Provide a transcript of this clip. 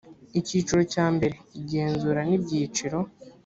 icyiciro cya mbere igenzura n ibyiciro